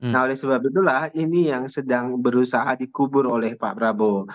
nah oleh sebab itulah ini yang sedang berusaha dikubur oleh pak prabowo